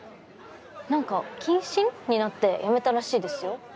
何か謹慎？になって辞めたらしいですよ。